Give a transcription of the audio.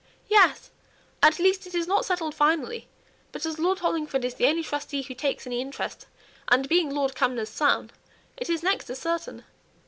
"Yes. At least it is not settled finally; but as Lord Hollingford is the only trustee who takes any interest and being Lord Cumnor's son it is next to certain."